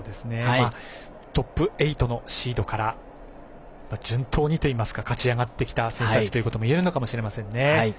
トップ８のシードから順当にといいますか勝ち上がってきた選手たちということもいえるかもしれません。